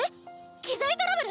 ⁉機材トラブル？